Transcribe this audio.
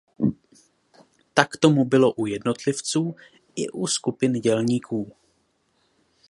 Tak tomu bylo u jednotlivců i u skupin dělníků.